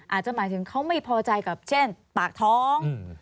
อาจจะหมายถึงเขาไม่พอใจกับเช่นปากท้อง